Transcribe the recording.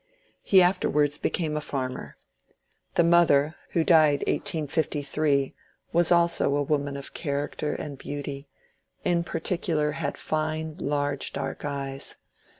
He afterwards became a farmer. The mother, who died 1853, was also a woman of character and beauty ; in particular had fine, large, dark eyes.